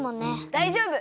だいじょうぶ！